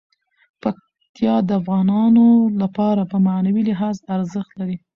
پکتیا د افغانانو لپاره په معنوي لحاظ ارزښت لري.